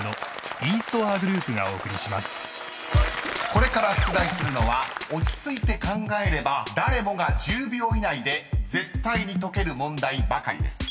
［これから出題するのは落ち着いて考えれば誰もが１０秒以内で絶対に解ける問題ばかりです］